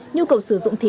nhu cầu sử dụng thịt